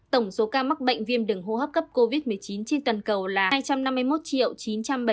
tổng số ca mắc bệnh viêm đường hô hấp cấp covid một mươi chín trên toàn cầu là hai trăm năm mươi một chín trăm bảy mươi bốn năm trăm linh năm ca